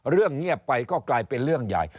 เรื่องเงียบไปก็กลายเป็นเรื่องใหญ่